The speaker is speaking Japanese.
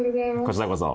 こちらこそ。